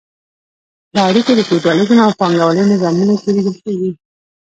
دا اړیکې په فیوډالیزم او پانګوالۍ نظامونو کې لیدل کیږي.